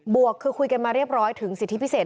วกคือคุยกันมาเรียบร้อยถึงสิทธิพิเศษ